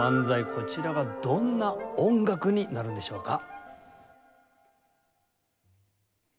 こちらはどんな音楽になるんでしょうか？